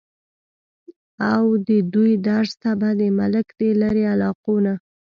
اود دوي درس ته به د ملک د لرې علاقو نه